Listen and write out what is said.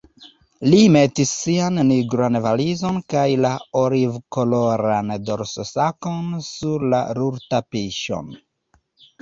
Li metis sian nigran valizon kaj la olivkoloran dorsosakon sur la rultapiŝon.